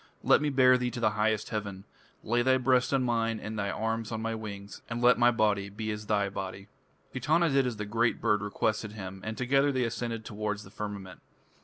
Let me bear thee to the highest heaven. Lay thy breast on mine and thine arms on my wings, and let my body be as thy body." Etana did as the great bird requested him, and together they ascended towards the firmament.